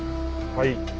はい。